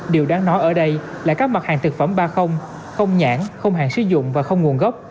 điều đáng nói ở đây là các mặt hàng thực phẩm ba không nhãn không hàng sử dụng và không nguồn gốc